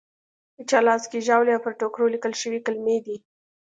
د چا لاس کې ژاولي او پر ټوکرو لیکل شوې کلیمې دي.